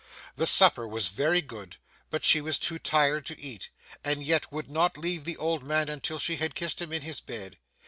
The supper was very good, but she was too tired to eat, and yet would not leave the old man until she had kissed him in his bed.